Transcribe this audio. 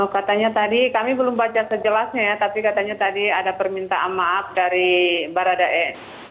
katanya tadi kami belum baca sejelasnya ya tapi katanya tadi ada permintaan maaf dari baradae